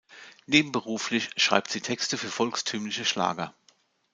Nebenberuflich schreibt sie Texte für volkstümliche Schlager.